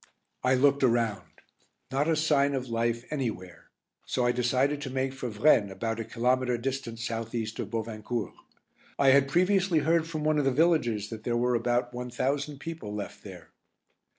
I looked around. Not a sign of life anywhere, so I decided to make for Vraignes about a kilometre distant south east of Bovincourt. I had previously heard from one of the villagers that there were about one thousand people left there.